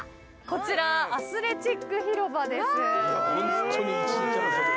こちらアスレチック広場です。